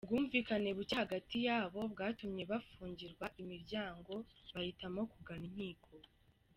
Ubwumvikane buke hagati yabo bwatumye bafungirwa imiryango, bahitamo kugana inkiko.